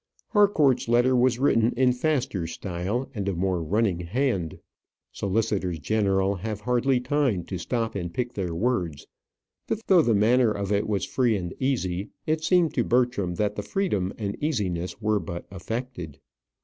Harcourt's letter was written in faster style, and a more running hand. Solicitors general have hardly time to stop and pick their words. But though the manner of it was free and easy, it seemed to Bertram that the freedom and easiness were but affected.